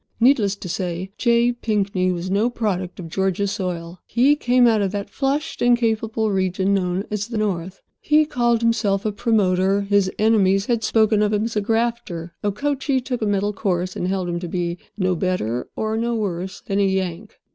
Needless to say J. Pinkney was no product of Georgia soil. He came out of that flushed and capable region known as the "North." He called himself a "promoter"; his enemies had spoken of him as a "grafter"; Okochee took a middle course, and held him to be no better nor no worse than a "Yank."